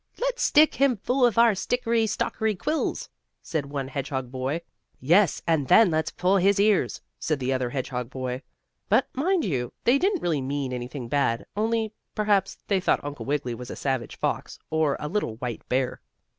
"Let's stick him full of our stickery stockery quills," said one hedgehog boy. "Yes, and then let's pull his ears," said the other hedgehog boy. But, mind you, they didn't really mean anything bad, only, perhaps, they thought Uncle Wiggily was a savage fox, or a little white bear.